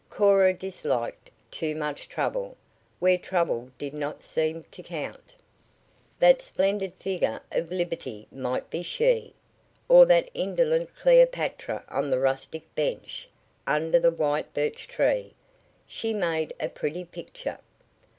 Cora disliked too much trouble, where trouble did not seem to count. That splendid figure of Liberty might be she. Or that indolent Cleopatra on the rustic bench under the white birch tree she made a pretty picture.